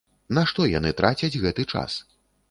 На што яны трацяць гэты час?